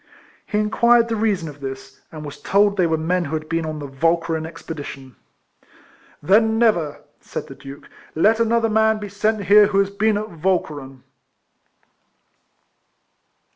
He inquired the reason of this, and was told they were men who had been on the Walcheren expedition. "Then never," said the Duke, "let another man be sent here who has been at Walcheren."